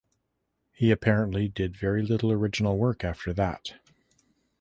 He apparently did very little original work after that.